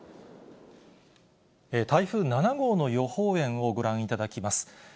台風７号の予報円をご覧いただきます。